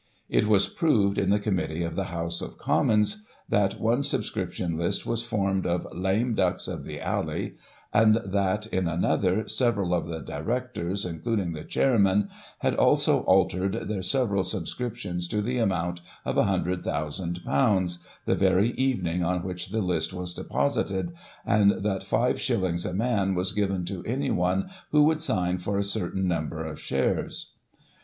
It was proved in the Committee of the House of Commons, that one subscription list was formed of * lame ducks of the Alley '; cind that, in another, several of the Directors, including the Chairman, had, also, altered their several subscriptions to the amount of ;£" 100,000, the very evening on which the list was deposited, and that five shillings a man was given to any one who would sign for a certain number of shares.